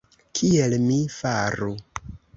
Kiel mi faru!